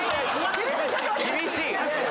厳しい！